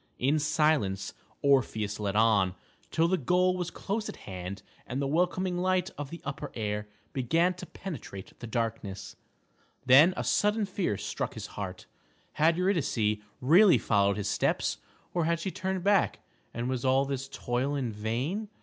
In silence Orpheus led on, till the goal was close at hand and the welcoming light of the upper air began to penetrate the darkness. Then a sudden fear struck his heart. Had Eurydice really followed his steps, or had she turned back, and was all his toil in vain?